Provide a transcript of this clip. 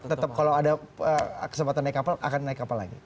tetap kalau ada kesempatan naik kapal akan naik kapal lagi